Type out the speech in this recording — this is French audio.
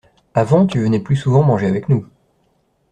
Avant tu venais plus souvent manger avec nous.